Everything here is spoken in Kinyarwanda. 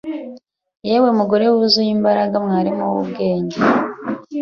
Yewe mugore wuzuye imbaraga mwarimu wubwenge